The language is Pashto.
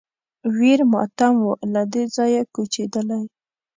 ویر ماتم و له دې ځایه کوچېدلی